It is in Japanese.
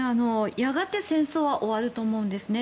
やがて戦争は終わると思うんですね